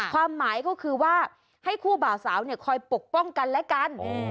ความหมายก็คือว่าให้คู่บ่าวสาวคอยปกป้องกันและกัน